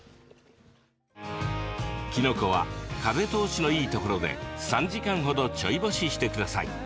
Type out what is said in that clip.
きのこは風通しのいいところで３時間程ちょい干ししてください。